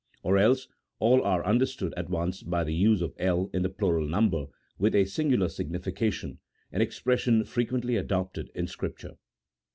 or else all are under stood at once by the use of El in the plural number, with a singular signification, an expression frequently adopted in Scripture.